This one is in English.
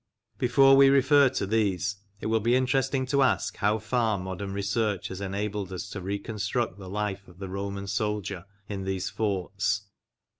Before we refer to these it will be interesting to ask how far modern research has enabled us to reconstruct the life of the Roman soldier in these forts.